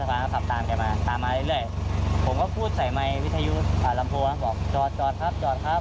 แกก็ขับช้าช้าเสียบ้างนิดหน่อยอะไรอย่างนี้ครับ